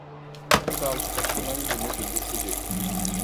Charles Churchman venait de décéder.